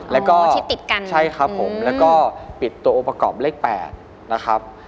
อ๋อที่ติดกันใช่ครับผมแล้วก็ปิดตัวโอปกรอบเลข๘นะครับ